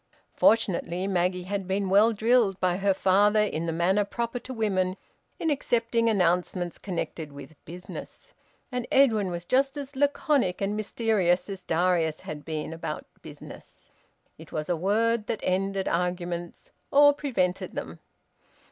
Fortunately Maggie had been well drilled by her father in the manner proper to women in accepting announcements connected with `business.' And Edwin was just as laconic and mysterious as Darius had been about `business.' It was a word that ended arguments, or prevented them.